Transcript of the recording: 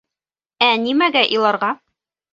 Ә нимәгә иларға?